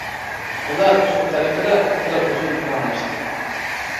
ئۇلار شۇ تەرىقىدە خىلى ئۇزۇن پاراڭلاشتى.